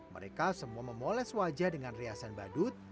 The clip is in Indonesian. mereka semua memoles wajah dengan riasan badut